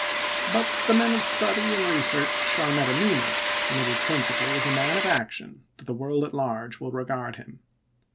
But the men of study and research are never numerous ; and it is principally as a man of action that the world at large will regard him.